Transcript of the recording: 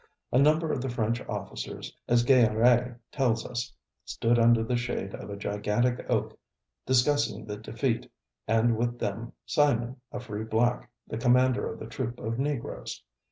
A number of the French officers, as Gayarr├® tells us, stood under the shade of a gigantic oak discussing the defeat, and with them Simon, a free black, the commander of the troop of Negroes.